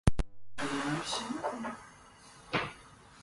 Oila tabiatning shoh asarlaridan biridir.